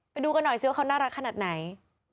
ไปดูกันหน่อยสิว่าเขาน่ารักขนาดไหน